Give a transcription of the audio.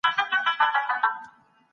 تاسو به له ماتي څخه نه ناهیلي کیږئ.